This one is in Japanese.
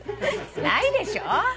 ないでしょ？